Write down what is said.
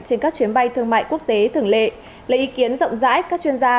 trên các chuyến bay thương mại quốc tế thường lệ lấy ý kiến rộng rãi các chuyên gia